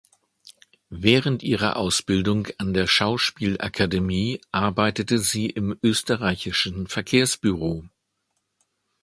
Während ihrer Ausbildung an der Schauspielakademie arbeitete sie im österreichischen Verkehrsbüro.